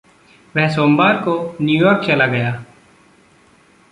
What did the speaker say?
वह सोमवार को न्यूयॉर्क चला गया।